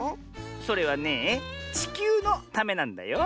それはねえちきゅうのためなんだよ。